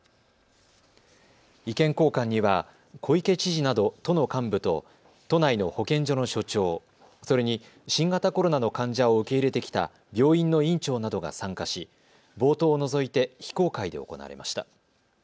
意見交換には小池知事など都の幹部と都内の保健所の所長、それに新型コロナの患者を受け入れてきた病院の院長などが参加し、冒頭を除いて非公開で行われました。